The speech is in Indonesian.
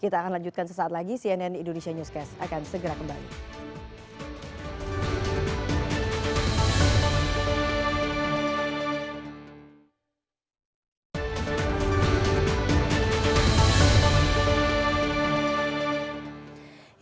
kita akan lanjutkan sesaat lagi cnn indonesia newscast akan segera kembali